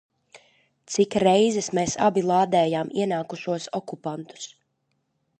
Cik reizes mēs abi lādējām ienākušos okupantus.